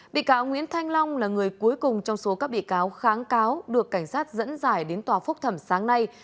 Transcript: bị cáo nguyễn thanh long là người cuối cùng trong số các bị cáo kháng cáo được cảnh sát dẫn dài đến tòa phúc thẩm sáng nay